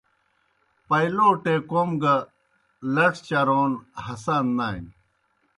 پائیْلوٹے کوْم گہ لڇ چرون ہسان نانیْ۔